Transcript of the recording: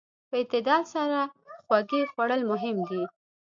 په اعتدال سره خوږې خوړل مهم دي.